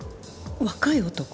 若い男？